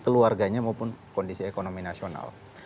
keluarganya maupun kondisi ekonomi nasional